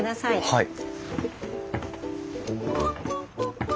はい。